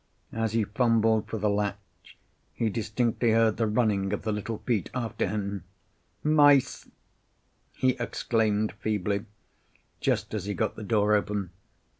As he fumbled for the latch, he distinctly heard the running of the little feet after him. "Mice!" he exclaimed feebly, just as he got the door open.